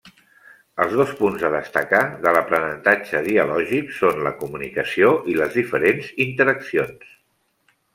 Els dos punts a destacar de l’aprenentatge dialògic són la comunicació i les diferents interaccions.